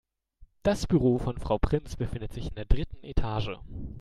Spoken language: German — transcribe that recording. Das Büro von Frau Prinz befindet sich in der dritten Etage.